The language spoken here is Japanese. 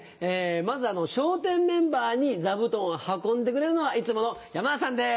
まず笑点メンバーに座布団を運んでくれるのはいつもの山田さんです。